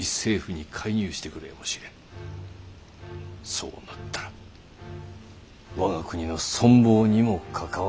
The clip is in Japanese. そうなったら我が国の存亡にも関わりかねない。